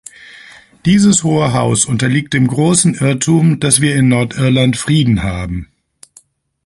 Dieses Hohe Haus unterliegt dem großen Irrtum, dass wir in Nordirland Frieden haben.